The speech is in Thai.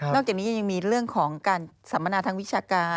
จากนี้ยังมีเรื่องของการสัมมนาทางวิชาการ